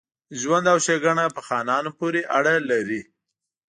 ژوند او ښېګڼه په خانانو پوري اړه لري.